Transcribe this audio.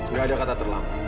nggak ada kata terlambat